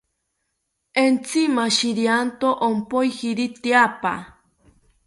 Entzi mashirianto ompojiri tyaapa